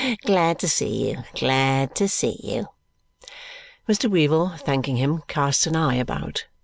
Glad to see you, glad to see you!" Mr. Weevle, thanking him, casts an eye about.